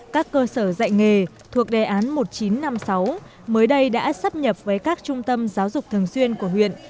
các cơ sở dạy nghề thuộc đề án một nghìn chín trăm năm mươi sáu mới đây đã sắp nhập với các trung tâm giáo dục thường xuyên của huyện